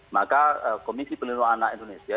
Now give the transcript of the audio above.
maka komisi pelindung anak indonesia